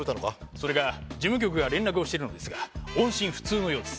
それが事務局が連絡をしているのですが音信不通のようです。